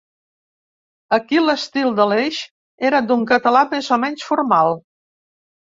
Aquí l'estil d'Aleix era d'un català més o menys formal.